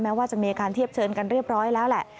ว่าจะมีการเทียบเชิญกันเรียบร้อยแล้วแหละ